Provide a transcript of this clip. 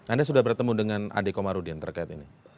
anda sudah bertemu dengan ade komarudin terkait ini